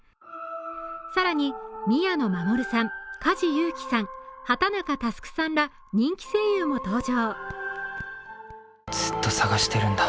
更に宮野真守さん、梶裕貴さん、畠中祐さんら人気声優も登場。